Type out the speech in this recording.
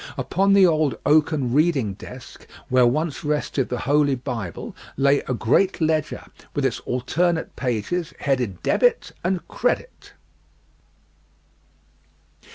Upon the old oaken reading desk, where once rested the Holy Bible, lay a great ledger with its alternate pages headed Dr. and Cr.